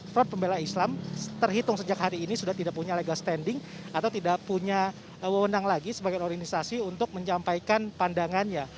front pembela islam terhitung sejak hari ini sudah tidak punya legal standing atau tidak punya wewenang lagi sebagai organisasi untuk menyampaikan pandangannya